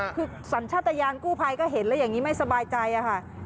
คือสัญชาติยานกู้ภัยก็เห็นแล้วอย่างนี้ไม่สบายใจค่ะ